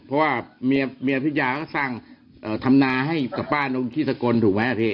เพราะว่าเมียพิทยาก็สร้างธรรมนาให้กับป้านงที่สกลถูกไหมพี่